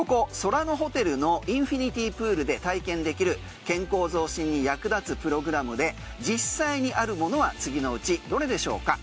ここＳＯＲＡＮＯＨＯＴＥＬのインフィニティプールで体験できる健康増進に役立つプログラムで実際にあるものは次のうちどれでしょうか？